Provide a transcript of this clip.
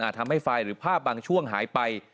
ทำให้ไฟหรือภาพบางช่วงหายไป